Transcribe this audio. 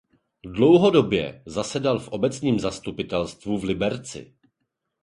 Dlouhodobě zasedal v obecním zastupitelstvu v Liberci.